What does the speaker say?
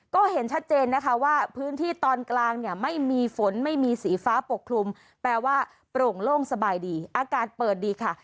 ก็เห็นชัดเจนนะคะว่าพื้นที่ตอนกลางเนี่ยไม่มีฝนไม่มีสีฟ้าปกคลุมแปลว่าโปร่งโล่งสบายดีอากาศเปิดดีค่ะ